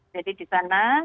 jadi di sana